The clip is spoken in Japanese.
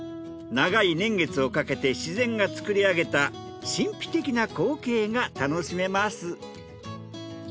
長い年月をかけて自然が作り上げた神秘的な光景が楽しめます。